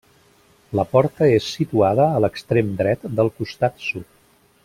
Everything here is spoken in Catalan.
La porta és situada a l'extrem dret del costat sud.